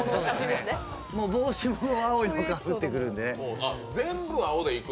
帽子も青いのかぶってくるんで。